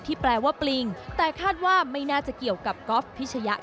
แปลว่าปริงแต่คาดว่าไม่น่าจะเกี่ยวกับก๊อฟพิชยะ